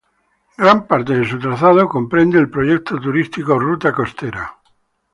Gran parte de su trazado comprende el proyecto turístico "Ruta Costera".